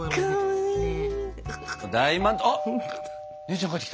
あっ姉ちゃん帰ってきた。